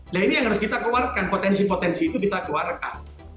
nah ini yang harus kita keluarkan potensi potensi itu kita keluarkan